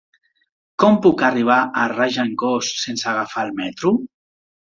Com puc arribar a Regencós sense agafar el metro?